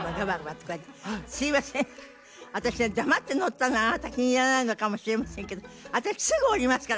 私が黙って乗ったのあなた気に入らないのかもしれませんけど私すぐ降りますから。